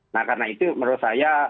nah karena itu menurut saya